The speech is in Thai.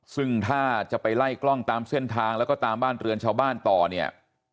ซึ่งถ้าจะไปไล่กล้องตามเส้นทางแล้วก็ตามบ้านเรือนชาวบ้านต่อเนี่ย